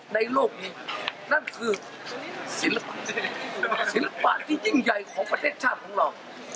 โลกนี้นั่นคือศิลปะที่ยิ่งใหญ่ของประเทศชาติของเรา